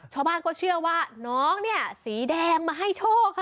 ชาวบ้านก็เชื่อว่าน้องเนี่ยสีแดงมาให้โชคค่ะ